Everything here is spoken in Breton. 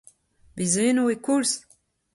Bez eno e-koulz !